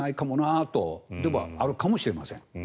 でも、あるかもしれません。